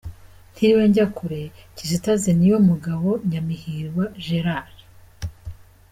Ntiriwe njya kure Kizito azi Niyomugabo Nyamihirwa Gerald.